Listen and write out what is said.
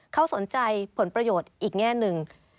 เขาสนใจผลประโยชน์อีกแง่หนึ่ง